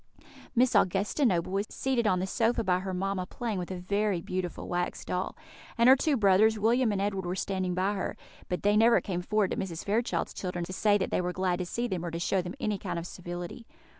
Miss Augusta Noble was seated on the sofa by her mamma, playing with a very beautiful wax doll; and her two brothers, William and Edward, were standing by her; but they never came forward to Mrs. Fairchild's children to say that they were glad to see them, or to show them any kind of civility.